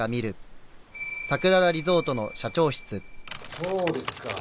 そうですか。